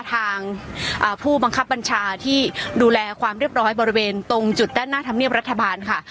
ทางผู้บังคับบัญชาที่ดูแลความเรียบร้อยบริเวณตรงจุดด้านหน้าธรรมเนียบรัฐบาลค่ะ